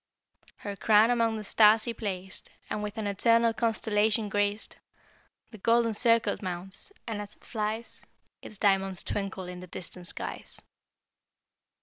"'Her crown among the stars he placed, And with an eternal constellation grac'd, The golden circlet mounts, and as it flies Its diamonds twinkle in the distant skies.'